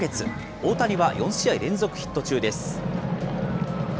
大谷は４試合連続ヒット中です。